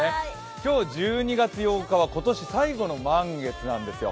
今日１２月８日は今年最後の満月なんですよ。